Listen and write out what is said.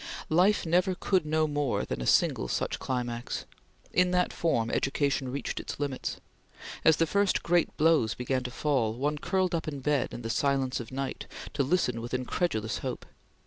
Life never could know more than a single such climax. In that form, education reached its limits. As the first great blows began to fall, one curled up in bed in the silence of night, to listen with incredulous hope.